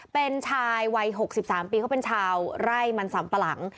เป็นชายวัย๖๓ปีเขาเป็นชาวไร่มันสำปะหลัง